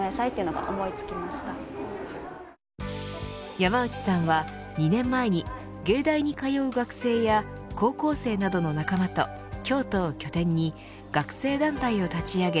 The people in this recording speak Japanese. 山内さんは２年前に芸大に通う学生や高校生などの仲間と京都を拠点に学生団体を立ち上げ